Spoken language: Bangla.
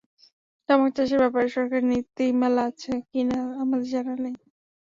তামাক চাষের ব্যাপারে সরকারের নীতিমালা আছে কি না আমাদের জানা নেই।